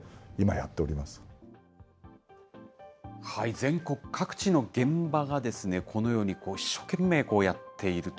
全国各地の現場がですね、このように、一生懸命やっていると。